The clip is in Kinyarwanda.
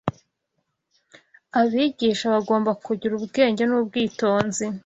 Abigisha Bagomba Kugira Ubwenge n’Ubwitonzi